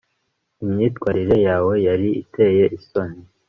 imyitwarire yawe yari iteye isoni